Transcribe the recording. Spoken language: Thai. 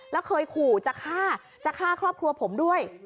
แล้วเคยขู่จะฆ่าจะฆ่าครอบครัวผมด้วย